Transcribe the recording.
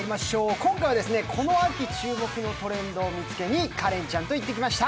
今回はこの秋注目のトレンドを見つけに花恋ちゃんと行ってきました。